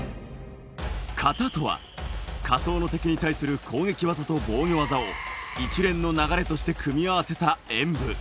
形とは仮想の敵に対する攻撃技と防御技を一連の流れとして組み合わせた演武。